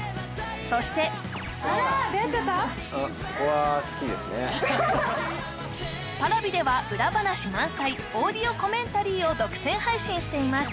そしてＰａｒａｖｉでは裏話満載オーディオコメンタリーを独占配信しています